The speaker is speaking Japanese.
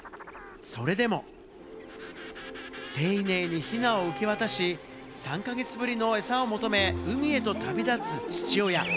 それでも丁寧にヒナを受け渡し、３か月ぶりの餌を求め、海へと旅立つ父親。